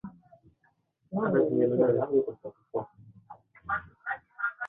Wasikilizaji waendelea kushiriki moja kwa moja hasa katika matangazo yetu ya Sauti ya Afrika